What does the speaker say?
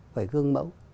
phải gương mẫu